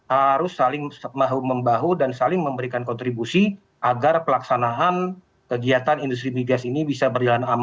harus saling membahu dan saling memberikan kontribusi agar pelaksanaan kegiatan industri migas ini bisa berjalan aman